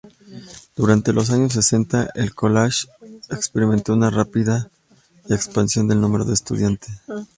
Durante los años sesenta el college experimentó una rápida expansión del número de estudiantes.